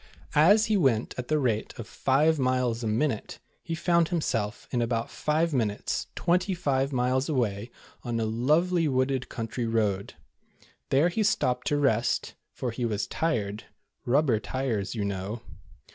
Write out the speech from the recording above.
As he went at the rate of five miles a minute, he found himself in about five minutes twenty five miles away on a lovely wooded country road. There he stopped to rest, for he was tired, "rub ber tires," you know.